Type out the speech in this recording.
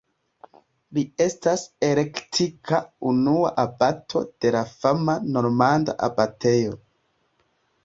Li estas elektita unua abato de la fama normanda abatejo.